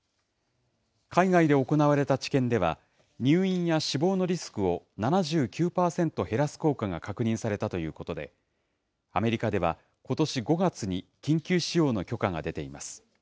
海外で行われた治験では、入院や死亡のリスクを７９％減らす効果が確認されたということで、アメリカでは、ことし５月に緊急使用の許可が出ています。